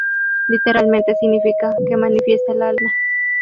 Literalmente significa "que manifiesta el alma".